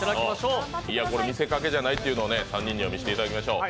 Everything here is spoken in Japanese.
見せかけじゃないっていうのを３人には見せていただきましょう。